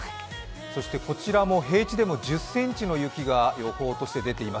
そしてこちらも平地でも１０ｃｍの雪が予報として出ています。